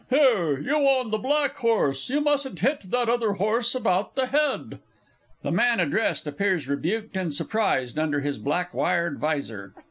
Here, you on the black horse, you mustn't hit that other horse about the head. (_The man addressed appears rebuked and surprised under his black wired visor.